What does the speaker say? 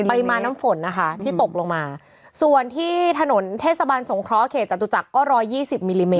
ปริมาณน้ำฝนนะคะที่ตกลงมาส่วนที่ถนนเทศบาลสงเคราะหเขตจตุจักรก็๑๒๐มิลลิเมต